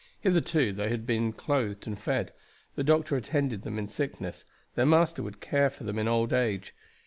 Hitherto they had been clothed and fed, the doctor attended them in sickness, their master would care for them in old age.